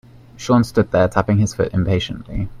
Sean stood there tapping his foot impatiently.